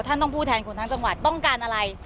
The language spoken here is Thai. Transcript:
ท่านต้องพูดแทนคนทั้งจังหวัดต้องการอะไร